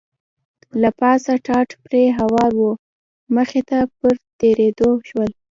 له پاسه ټاټ پرې هوار و، مخې ته په تېرېدو شول.